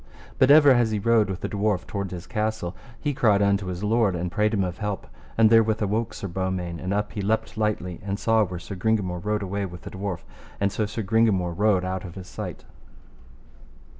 But ever as he rode with the dwarf toward his castle, he cried unto his lord and prayed him of help. And therewith awoke Sir Beaumains, and up he leapt lightly, and saw where Sir Gringamore rode his way with the dwarf, and so Sir Gringamore rode out of his sight.